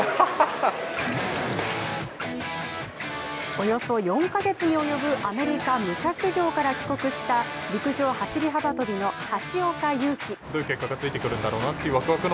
およそ４か月に及ぶアメリカ武者修行から帰国した、陸上・走り幅跳びの橋岡優輝。